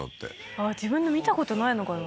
ああ自分の見たことないのかな？